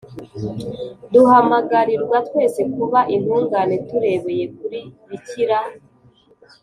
duhamagarirwa twese kuba intungane turebeye kuri bikira